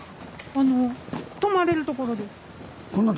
あの泊まれるところです。